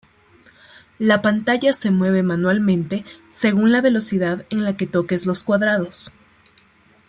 La pantalla se mueve manualmente, según la velocidad en la que toques los cuadrados.